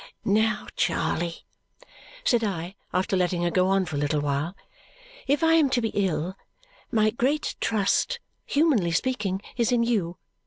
"Now, Charley," said I after letting her go on for a little while, "if I am to be ill, my great trust, humanly speaking, is in you.